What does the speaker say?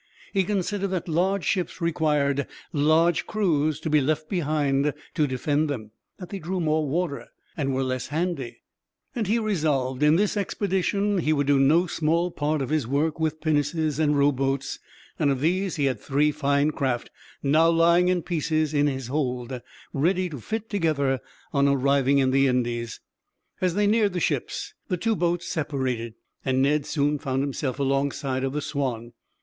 He considered that large ships required large crews to be left behind to defend them, that they drew more water, and were less handy; and he resolved, in this expedition, he would do no small part of his work with pinnaces and rowboats; and of these he had three fine craft, now lying in pieces in his hold, ready to fit together on arriving in the Indies. As they neared the ships the two boats separated, and Ned soon found himself alongside of the Swanne.